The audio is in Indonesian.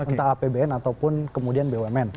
entah apbn ataupun kemudian bumn